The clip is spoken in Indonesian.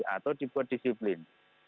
atau dibuat disiplin